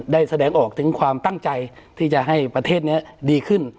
ได้แสดงออกถึงความตั้งใจที่จะให้ประเทศนี้ดีขึ้น